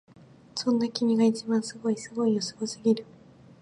そんな君が一番すごいすごいよすごすぎる！